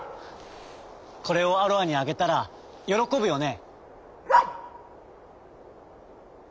「これをアロアにあげたらよろこぶよね」。